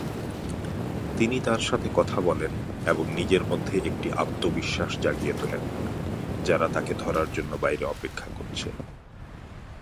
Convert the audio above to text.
তিনি তার সাথে কথা বলেন এবং নিজের মধ্যে একটি আত্মবিশ্বাস জাগিয়ে তুলেন, যারা তাকে ধরার জন্য বাইরে অপেক্ষা করছে।